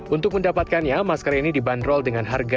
untuk mendapatkannya masker ini dibanderol dengan harga